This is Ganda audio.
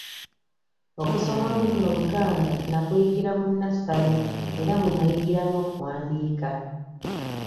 Okusoma olulimi Oluganda nakuyigira mu nassale era mwe nnayigira n'okuwandiika